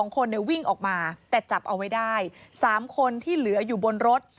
๒คนวิ่งออกมาแต่จับเอาไว้ได้๓คนที่เหลืออยู่บนรถ